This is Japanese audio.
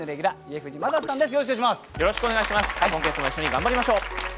今月も一緒に頑張りましょう。